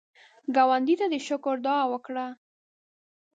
ګاونډي ته د شکر دعا وکړه